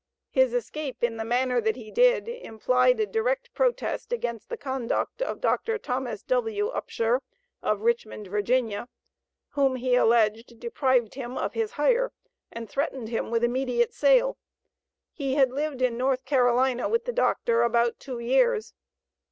His escape in the manner that he did, implied a direct protest against the conduct of Dr. Thomas W. Upsher, of Richmond, Va., whom, he alleged, deprived him of his hire, and threatened him with immediate sale. He had lived in North Carolina with the doctor about two years.